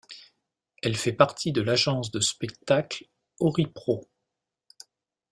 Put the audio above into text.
Elle fait partie de l'agence de spectacles Horipro.